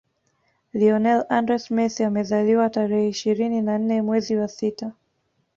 Lionel Andres Messi amezaliwa tarehe ishirini na nne mwezi wa sita